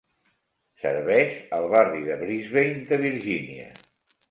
Serveix al barri de Brisbane de Virgínia.